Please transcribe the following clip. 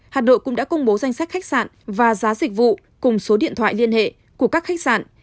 hà nội cũng đã công bố danh sách khách sạn và giá dịch vụ cùng số điện thoại liên hệ của các khách sạn